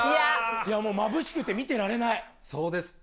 いやもう、まぶしくて見てらそうですって。